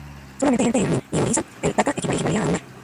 Solamente en Bengala y Orissa el taka equivalía a una rupia.